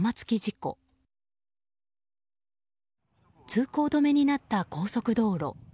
通行止めになった高速道路。